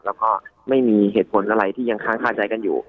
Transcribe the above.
แล้วก็ไม่มีเหตุผลอะไรที่ยังค้างคาใจกันอยู่